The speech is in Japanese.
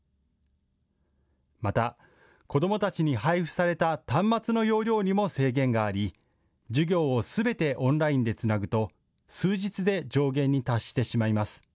また、子どもたちに配付された端末の容量にも制限があり授業をすべてオンラインでつなぐと数日で上限に達してしまいます。